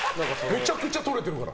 めちゃくちゃとれてるから。